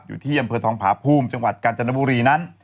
อยู่ที่อำเภอทองผาภูมิจังหวัดกาญจนบุรีนั้น